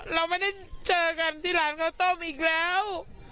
เราไม่ได้เจอกันที่ร้านข้าวต้มอีกแล้ว